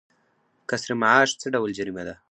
کسر معاش څه ډول جریمه ده؟